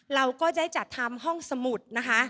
เราก็ได้จัดทำห้องสมุดนะคะ